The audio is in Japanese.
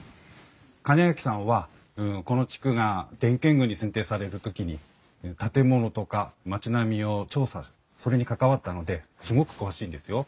周秋さんはこの地区が伝建群に選定される時に建物とか町並みを調査するそれに関わったのですごく詳しいんですよ。